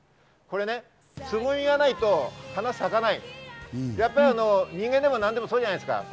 これね、つぼみがないと花が咲かない、やっぱり人間でもなんでもそうじゃないですか。